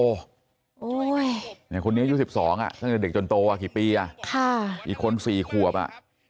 โอ้โหเนี่ยคนนี้อายุ๑๒อ่ะตั้งแต่เด็กจนโตอ่ะกี่ปีอ่ะค่ะอีกคน๔ขวบอ่ะ